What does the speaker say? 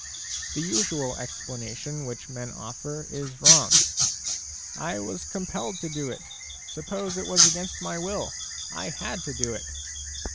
The usual explanation which men offer is wrong: " I was compelled to do it. Suppose it was against my will ; I had to ilo it."